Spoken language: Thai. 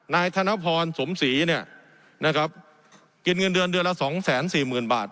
นายธนพรสมศีร์เนี่ยนะครับกินเงินเดือนเดือนละ๒๔๐๐๐๐บาท